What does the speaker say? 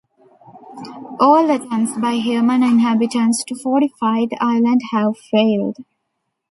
All attempts by human inhabitants to fortify the island have failed.